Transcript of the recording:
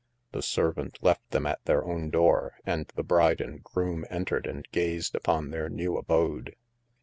The servant left them at their own door, and the bride and groom entered and gazed upon their new abode.